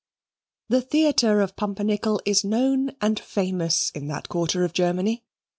The theatre of Pumpernickel is known and famous in that quarter of Germany.